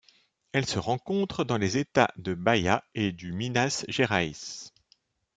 Elle se rencontre dans les États de Bahia et du Minas Gerais.